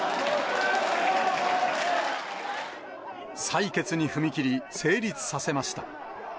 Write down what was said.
採決に踏み切り、成立させました。